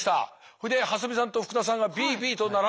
それで蓮見さんと福田さんがＢＢと並んでいる。